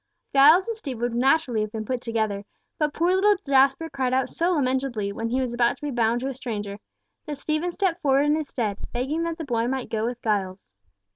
Giles and Stephen would naturally have been put together, but poor little Jasper cried out so lamentably, when he was about to be bound to a stranger, that Stephen stepped forward in his stead, begging that the boy might go with Giles.